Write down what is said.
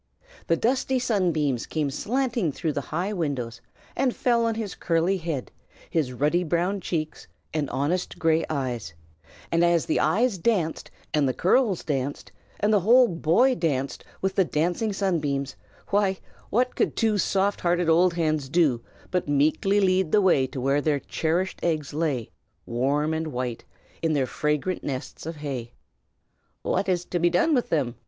The dusty sunbeams came slanting through the high windows, and fell on his curly head, his ruddy brown cheeks, and honest gray eyes; and as the eyes danced, and the curls danced, and the whole boy danced with the dancing sunbeams, why, what could two soft hearted old hens do but meekly lead the way to where their cherished eggs lay, warm and white, in their fragrant nests of hay? "And what is to be done with them?"